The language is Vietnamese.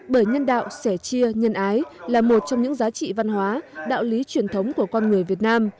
bởi nhân đạo sẻ chia nhân ái là một trong những giá trị văn hóa đạo lý truyền thống của con người việt nam